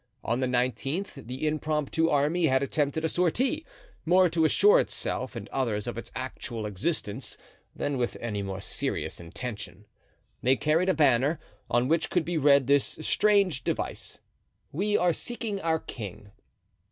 On the nineteenth the impromptu army had attempted a sortie, more to assure itself and others of its actual existence than with any more serious intention. They carried a banner, on which could be read this strange device: "We are seeking our king."